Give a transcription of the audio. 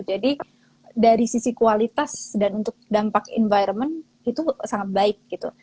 jadi dari sisi kualitas dan untuk dampak environment itu sangat baik gitu